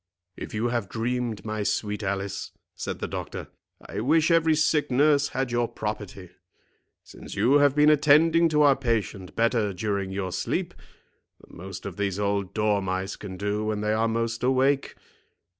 "If you have dreamed, my sweet Alice," said the doctor, "I wish every sick nurse had your property, since you have been attending to our patient better during your sleep than most of these old dormice can do when they are most awake.